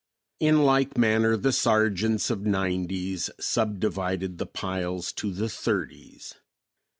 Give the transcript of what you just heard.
In like manner the sergeants of nineties sub divided the piles to the thirties.